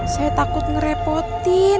saya takut ngerepotin